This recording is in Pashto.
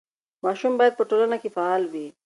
ماشومان باید په ټولنه کې فعال وي.